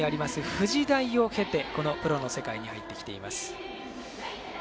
富士大を経てこのプロの世界に入ってきています。